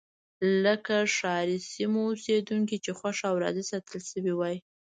لکه ښاري سیمو اوسېدونکي چې خوښ او راضي ساتل شوي وای.